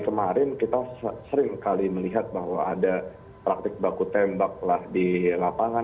kemarin kita sering kali melihat bahwa ada praktik baku tembak lah di papua dan juga di jepang dan